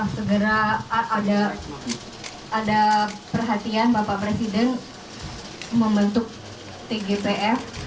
segera ada perhatian bapak presiden membentuk tgpf